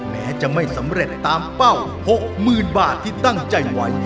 แม้จะไม่สำเร็จตามเป้า๖๐๐๐บาทที่ตั้งใจไว้